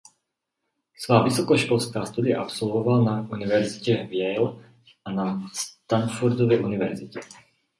Svá vysokoškolská studia absolvoval na univerzitě v Yale a na Stanfordově univerzitě.